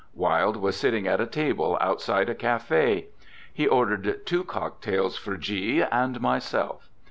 Wilde was sitting at a table outside a café. He ordered two cock tails for G and myself.